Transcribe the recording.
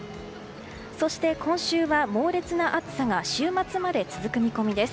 そして今週は猛烈な暑さが週末で続く見込みです。